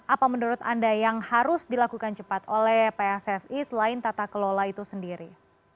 apa menurut anda yang harus dilakukan cepat oleh pssi selain tata kelola itu sendiri